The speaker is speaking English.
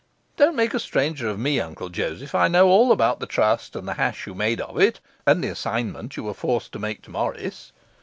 Don't make a stranger of me, Uncle Joseph; I know all about the trust, and the hash you made of it, and the assignment you were forced to make to Morris.